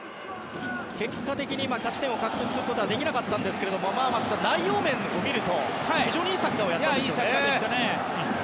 結果的に勝ち点を獲得することはできなかったんですが松木さん、内容面を見ると非常にいいサッカーをやっていましたよね。